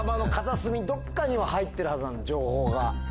情報が。